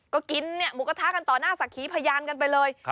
ก็กินหมูกระทะกันต่อหน้าสักขีพยานกันไปเลย